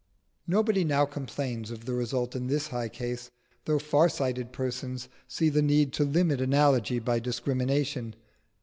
Nobody now complains of the result in this case, though far sighted persons see the need to limit analogy by discrimination.